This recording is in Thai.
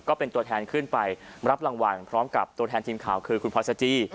ก็เป็นตัวแทนขึ้นไปรับรางวัลพร้อมกับตัวแทนทีมข่าวคือคุณพลอยสจี